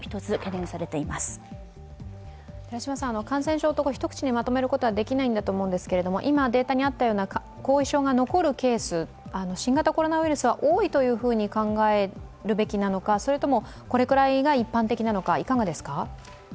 感染症と一口でまとめることはできないんだと思うんですが、今、データにあったような後遺症が起こるようなケース新型コロナウイルスは多いというふうに考えるべきなのか、それとも、これくらいが一般的なのか、いかがですか。